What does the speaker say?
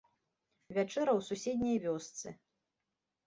Вячэраў у суседняй вёсцы.